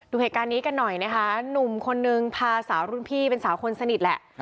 ดูเหตุการณ์นี้กันหน่อยนะคะหนุ่มคนนึงพาสาวรุ่นพี่เป็นสาวคนสนิทแหละ